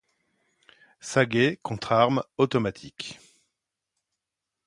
Sagaies contre armes automatiques.